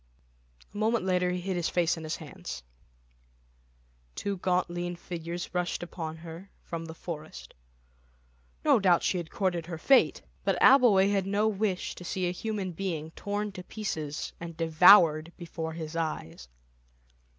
A moment later he hid his face in his hands; two gaunt lean figures rushed upon her from the forest. No doubt she had courted her fate, but Abbleway had no wish to see a human being torn to pieces and devoured before his eyes.